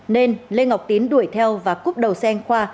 nên lê ngọc tín đuổi theo và cúp đầu xe anh khoa